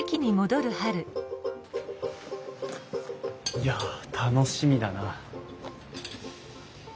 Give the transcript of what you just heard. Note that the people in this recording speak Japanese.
いや楽しみだな。